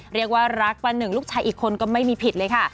เรียกว่ารักป้าหนึ่งลูกชายอีกคนก็ไม่มีผิดเลยค่ะ